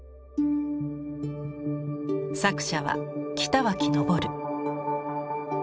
作者は北脇昇。